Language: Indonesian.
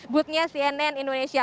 booth nya cnn indonesia